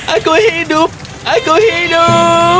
aku hidup aku hidup